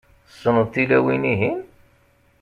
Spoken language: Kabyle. Tessneḍ tilawin-ihin?